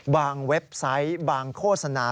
เว็บไซต์บางโฆษณา